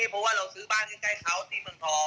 เพราะว่าเราซื้อบ้านนี้